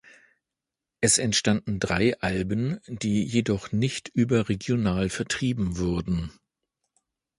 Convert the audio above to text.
Es entstanden drei Alben, die jedoch nicht überregional vertrieben wurden.